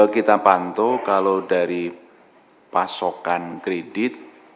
kita pantau kalau dari pasokan kredit